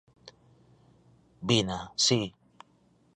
Vina, si.